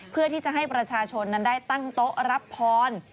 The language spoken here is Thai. เพื่อที่จะให้ประชาชนนั้นได้ตั้งโต๊ะรับพร